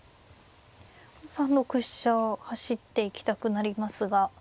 ３六飛車走っていきたくなりますが。